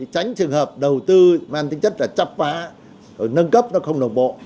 tránh trường hợp đầu tư mang tính chất là chấp phá rồi nâng cấp nó không đồng bộ